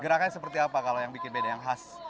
gerakannya seperti apa kalau yang bikin beda yang khas